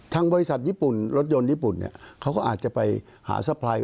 บริษัทญี่ปุ่นรถยนต์ญี่ปุ่นเนี่ยเขาก็อาจจะไปหาสะพลาย